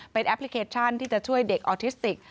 เป็นแอปพลิเคชันที่จะช่วยเด็กออทิสติก